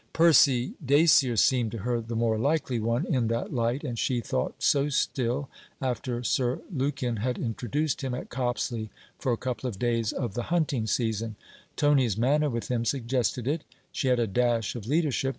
Percy Dacier seemed to her the more likely one, in that light, and she thought so still, after Sir Lukin had introduced him at Copsley for a couple of days of the hunting season. Tony's manner with him suggested it; she had a dash of leadership.